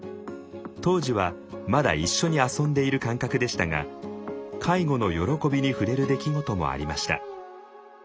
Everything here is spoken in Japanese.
当時はまだ一緒に遊んでいる感覚でしたが介護の喜びに触れる出来事もありました。